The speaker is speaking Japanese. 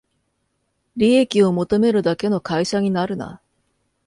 利益を求めるだけの会社になるな